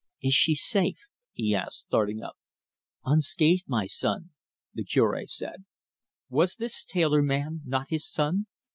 "Is she safe?" he asked, starting up. "Unscathed, my son," the Cure said. Was this tailor man not his son?